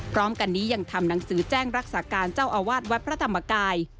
พร้อมกันนี้ยังทำหนังสือแจ้งรักษาการเจ้าอาวาสวัดพระธรรมกาย